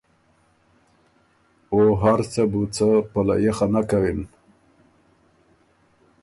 او هر څه بُو څه په لیۀ خه نک کوِن۔